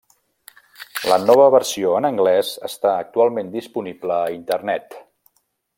La nova versió en anglès està actualment disponible a internet.